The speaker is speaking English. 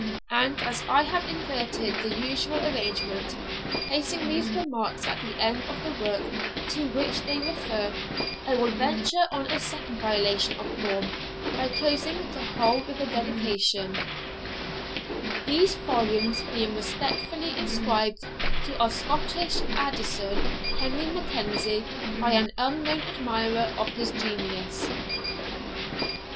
And, as I have inverted the usual arrangement, placing these remarks at the end of the work to which they refer, I will venture on a second violation of form, by closing the whole with a Dedication THESE VOLUMES BEING RESPECTFULLY INSCRIBED TO OUR SCOTTISH ADDISON, HENRY MACKENZIE, BY AN UNKNOWN ADMIRER OF HIS GENIUS.